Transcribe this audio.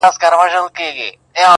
• د طلا او جواهر حساب به کیږي -